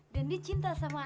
dan dia cinta sama ayet